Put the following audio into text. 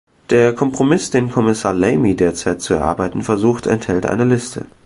Der Kompromiss, den Kommissar Lamy derzeit zu erarbeiten versucht, enthält eine Liste.